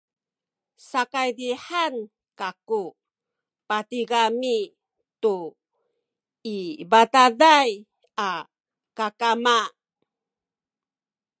sakaydihan kaku patigami tu i bataday a kakama